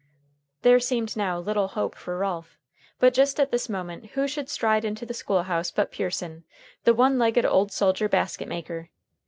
There, seemed now little hope for Ralph. But just at this moment who should stride into the school house but Pearson, the one legged old soldier basket maker?